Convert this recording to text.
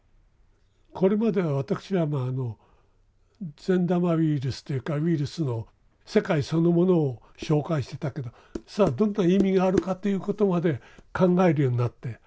これまでは私はまああの善玉ウイルスというかウイルスの世界そのものを紹介してたけどどんな意味があるかということまで考えるようになって。